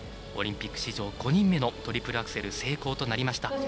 オリンピック史上５人目のトリプルアクセル成功となりました。